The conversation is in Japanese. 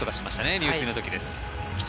入水の時です。